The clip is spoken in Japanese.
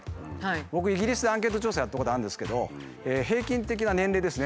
僕イギリスでアンケート調査やったことあるんですけど平均的な年齢ですね